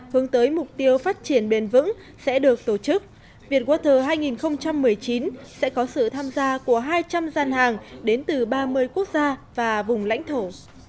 hướng tới mục tiêu phát triển bền vững sẽ được tổ chức vietwater hai nghìn một mươi chín sẽ có sự tham gia của hai trăm linh gian hàng đến từ ba mươi quốc gia và vùng lãnh thổ